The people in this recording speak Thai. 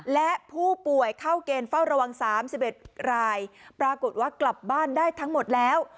และผู้ป่วยเข้าเกณฑ์เฝ้าระวัง๓๑รายปรากฏว่ากลับบ้านได้ทั้งหมดแล้ว